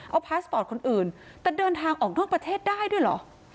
เอาพาสปอร์ตคนอื่นแต่เดินทางออกนอกประเทศได้ด้วยเหรอ